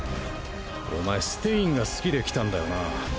おまえステインが好きで来たんだよな。